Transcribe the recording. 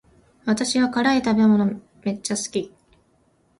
私は辛い食べ物めっちゃ好き